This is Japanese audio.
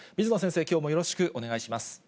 水野先生、きょうもよろしくお願いします。